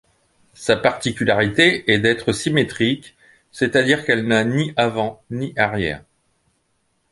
Sa particularité est d'être symétrique, c'est-à-dire qu'elle n'a ni avant, ni arrière.